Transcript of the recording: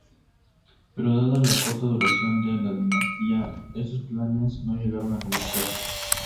Pero dada la corta duración de la dinastía estos planes no llegaron a concretarse.